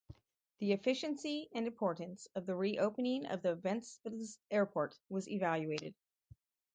The efficiency and importance of the re-opening of the Ventspils Airport was evaluated.